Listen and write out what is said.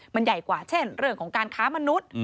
มันใหญ่กว่าเช่นเรื่องของการค้ามนุษย์